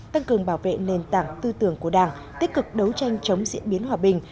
tăng cường bảo vệ nền tảng tư tưởng của đảng tích cực đấu tranh chống diễn biến hòa bình